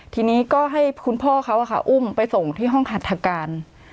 ทีนี้ก็ให้คุณพ่อเขาอุ้มไปส่งที่ห้องหัตถการ